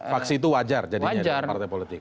faksi itu wajar jadinya dari partai politik